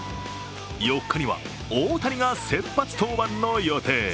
４日には、大谷が先発登板の予定。